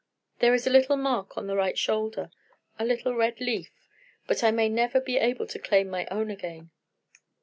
There is a little mark on the right shoulder a little red leaf. But I may never be able to claim my own again.